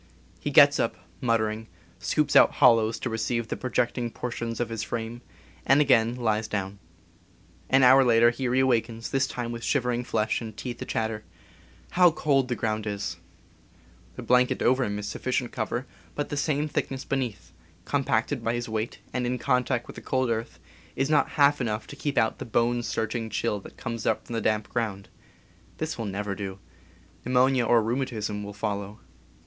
He gets up, muttering, scoops out hollows to receive the projecting portions of his frame, and again lies down. An hour later he reawakens, this time with shivering flesh and teeth a chatter. How cold the 22 PERSONAL KITS 23 orround is! The blanket over him is sufficient cover, but the same thickness beneath, compacted by his weight and in contact with the cold earth, is not half enough to keep out the bone searching chill that comes up from the damp ground. This will never do. Pneu monia or rheumatism will follow.